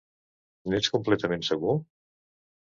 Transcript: N'ets completament segur?